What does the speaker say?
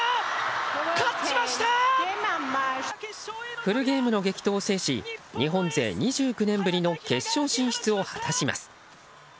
フルゲームの激闘を制し日本勢２９年ぶりの決勝進出を果たします。